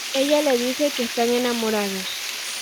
Ella le dice que están enamorados.